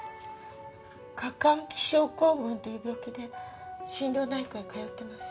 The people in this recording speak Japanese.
過換気症候群という病気で心療内科に通ってます。